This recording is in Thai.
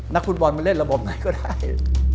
นักฟุตบอลมาเล่นระบบไหนก็ได้